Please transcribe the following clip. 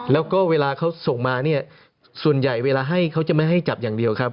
แล้วก็เวลาเขาส่งมาเนี่ยส่วนใหญ่เวลาให้เขาจะไม่ให้จับอย่างเดียวครับ